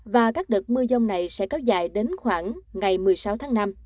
và các đợt mưa dông này sẽ kéo dài đến khoảng ngày một mươi sáu tháng năm